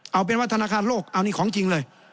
เอาเป็นว่าธนาคารโลกเอานี่ของจริงเลย